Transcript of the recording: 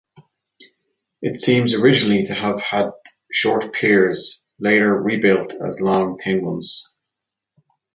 It seems originally to have had short piers, later rebuilt as long thin ones.